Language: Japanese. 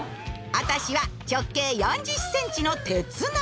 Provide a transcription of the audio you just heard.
アタシは直径４０ｃｍの鉄鍋。